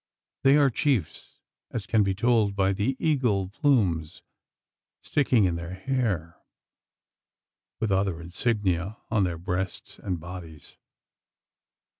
They are chiefs, as can be told by the eagle plumes sticking in their hair, with other insignia on their breasts and bodies.